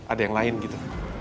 ada yang lain gitu